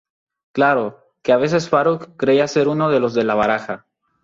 Claro, que a veces Faruk creía ser uno de los de la baraja.